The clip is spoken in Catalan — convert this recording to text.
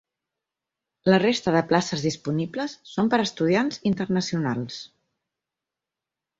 La resta de places disponibles són per a estudiants internacionals.